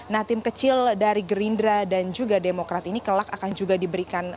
nah tim kecil dari gerindra dan juga demokrat ini kelak akan juga diberikan